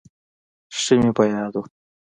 ښه مې په یاد و.